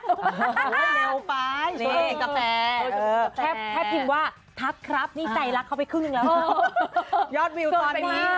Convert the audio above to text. เร็วไปนี่กาแปแทบทินว่าถัดครับนี่ใส่รักเข้าไปครึ่งแล้ว